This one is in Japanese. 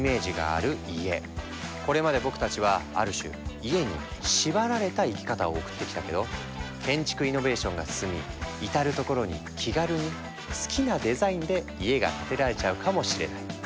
これまで僕たちはある種家に縛られた生き方を送ってきたけど建築イノベーションが進み至る所に気軽に好きなデザインで家が建てられちゃうかもしれない。